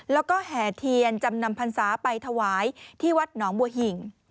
แล้วก็แห่เทียนจำนำพรรษาไปถวายที่วัดหนองบัวหิ่ง